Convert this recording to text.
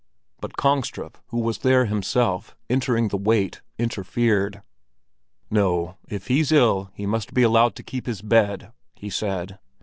But Kongstrup, who was there himself, entering the weight, interfered. "No, if he's ill he must be allowed to keep his bed," he said.